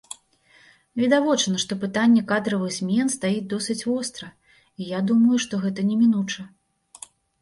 Відавочна, што пытанне кадравых змен стаіць досыць востра, і я думаю, што гэта немінуча.